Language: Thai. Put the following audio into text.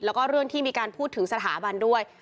แล้วก็เรื่องที่มีการพูดถึงสถาบันด้วย